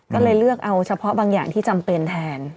ก็เลยเลือกเอาเฉพาะบางอย่างที่จำเป็นแทน